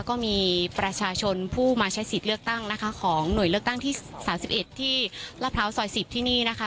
ก็มีประชาชนผู้มาใช้สิทธิ์เลือกตั้งนะคะของหน่วยเลือกตั้งที่๓๑ที่ลาดพร้าวซอย๑๐ที่นี่นะคะ